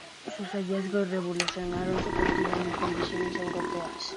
Sus hallazgos revolucionaron su cultivo en condiciones europeas.